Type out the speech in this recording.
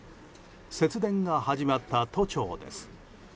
節電が始まった都庁です。